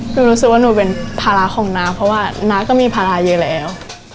รู้สึกว่าหนูเป็นภาระของน้าเพราะว่าน้าก็มีภาระเยอะแล้ว